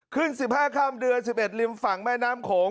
ขึ้นสิบห้าข้ามเดือสิบเอ็ดริมฝั่งแม่น้ำโขง